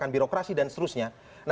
gerakan birokrasi dan seterusnya